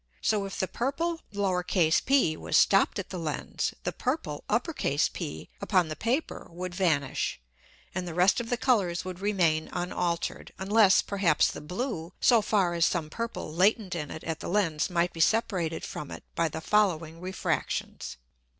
So if the Purple p was stopp'd at the Lens, the Purple P upon the Paper would vanish, and the rest of the Colours would remain unalter'd, unless perhaps the blue, so far as some purple latent in it at the Lens might be separated from it by the following Refractions.